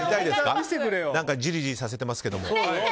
じりじりさせてますけども。